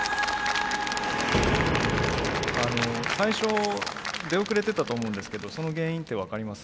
最初出遅れてたと思うんですけどその原因って分かります？